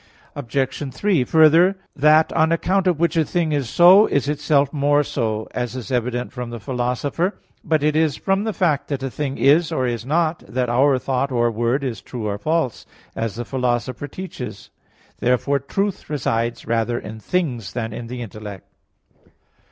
Obj. 3: Further, "that, on account of which a thing is so, is itself more so," as is evident from the Philosopher (Poster. i). But it is from the fact that a thing is or is not, that our thought or word is true or false, as the Philosopher teaches (Praedicam. iii). Therefore truth resides rather in things than in the intellect.